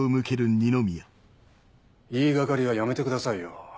言い掛かりはやめてくださいよ。